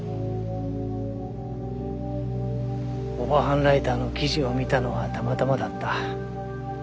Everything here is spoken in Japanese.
オバハンライターの記事を見たのはたまたまだった。